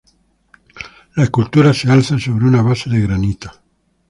La escultura se alza sobre una base de granito.